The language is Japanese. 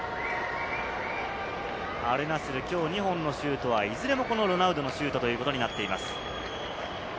アルナスルが２本のシュートはいずれもこのロナウドのシュートということになっています。